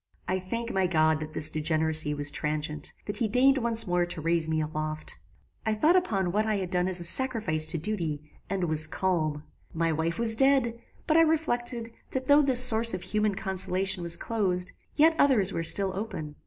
"I thank my God that this degeneracy was transient, that he deigned once more to raise me aloft. I thought upon what I had done as a sacrifice to duty, and WAS CALM. My wife was dead; but I reflected, that though this source of human consolation was closed, yet others were still open.